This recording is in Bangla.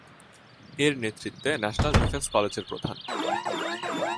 এর নেতৃত্বে ন্যাশনাল ডিফেন্স কলেজের প্রধান।